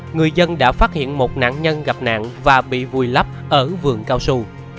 người dân đã phát hiện một nạn nhân gặp nạn và bị vùi lấp ở vườn cao su